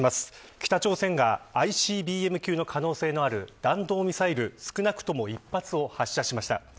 北朝鮮がＩＣＢＭ級の可能性のある弾道ミサイル少なくとも１発を発射しました。